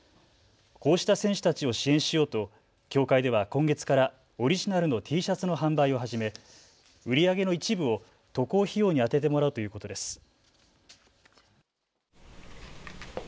こうした選手たちを支援しようと協会では今月からオリジナルのＴシャツの販売を始め売り上げの一部を渡航費用に充ててもらうということです。